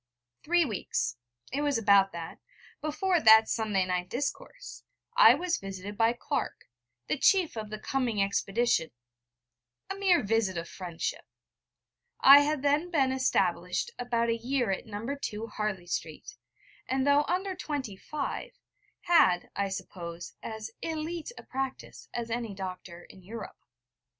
Three weeks it was about that before that Sunday night discourse, I was visited by Clark, the chief of the coming expedition a mere visit of friendship. I had then been established about a year at No. II, Harley Street, and, though under twenty five, had, I suppose, as élite a practice as any doctor in Europe.